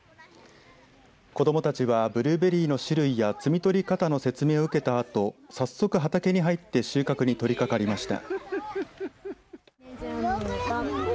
子どもたちはブルーベリーの種類や摘み取り方の説明を受けたあと早速、畑に入って収穫に取りかかりました。